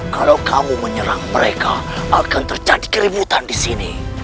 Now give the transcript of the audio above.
kalau kamu menyerang mereka akan terjadi keributan di sini